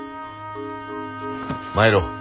参ろう。